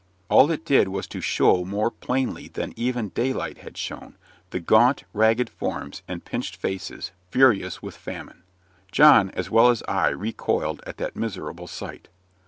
All it did was to show more plainly than even daylight had shown, the gaunt, ragged forms and pinched faces, furious with famine. John, as well as I, recoiled at that miserable sight.